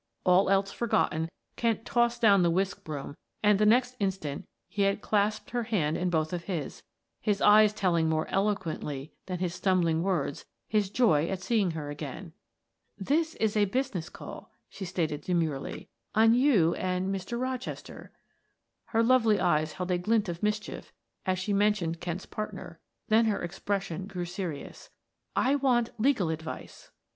All else forgotten, Kent tossed down the whisk broom and the next instant he had clasped her hand in both of his, his eyes telling more eloquently than his stumbling words, his joy at seeing her again. "This is a business call," she stated demurely, "on you and Mr. Rochester." Her lovely eyes held a glint of mischief as she mentioned Kent's partner, then her expression grew serious. "I want legal advice."